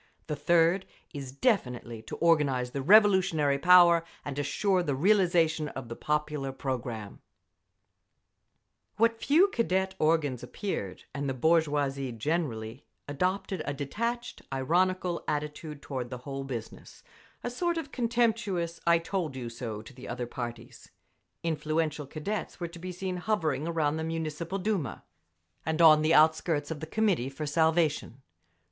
The third is definitely to organise the revolutionary power and assure the realisation of the popular programme… What few Cadet organs appeared, and the bourgeoisie generally, adopted a detached, ironical attitude toward the whole business, a sort of contemptuous "I—told—you—so" to the other parties. Influential Cadets were to be seen hovering around the Municipal Duma, and on the outskirts of the Committee for Salvation.